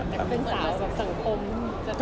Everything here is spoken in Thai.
แต่เป็นสาวสังคม